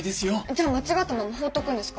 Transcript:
じゃあ間違ったまま放っとくんですか？